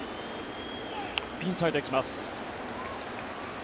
インサイド、行きます。